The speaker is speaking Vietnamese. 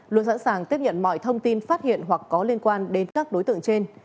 luôn sẵn sàng tiếp nhận mọi thông tin phát hiện hoặc có liên quan đến các đối tượng trên